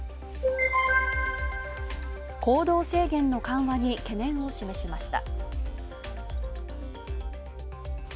行動制限の緩和に懸念を示しました。